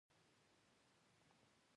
هجر او وصال مې یې